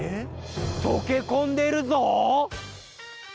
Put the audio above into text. とけこんでるぞ！